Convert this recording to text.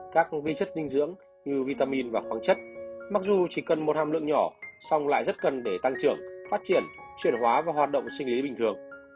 các vi chất dinh dưỡng như vitamin và khoáng chất mặc dù chỉ cần một hàm lượng nhỏ song lại rất cần để tăng trưởng phát triển chuyển hóa và hoạt động sinh lý bình thường